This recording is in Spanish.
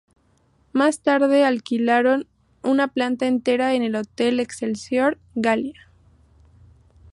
Más tarde alquilaron una planta entera en el hotel Excelsior Gallia.